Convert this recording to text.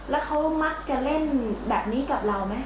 แล้วเขามักจะเล่นแบบนี้กับเราไหม